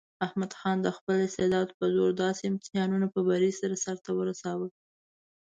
احمد خان د خپل استعداد په زور داسې امتحان په بري سره سرته ورساوه.